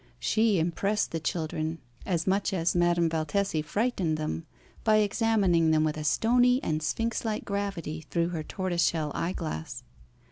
She impressed the children as much as Madame Valtesi frightened them by examining them with a stony and sphinx like gravity through her tortoise shell eyeglass.